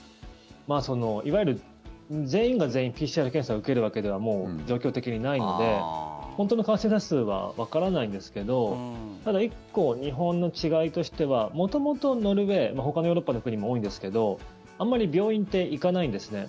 いわゆる全員が全員ＰＣＲ検査を受けるわけではもう状況的にないので本当の感染者数はわからないんですけどただ１個、日本の違いとしては元々、ノルウェーほかのヨーロッパの国も多いんですけどあんまり病院って行かないんですね。